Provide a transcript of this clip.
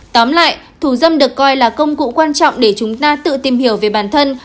tóm lại thủ dâm được coi là công cụ quan trọng để chúng ta tự tìm hiểu về bản thân